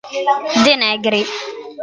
De Negri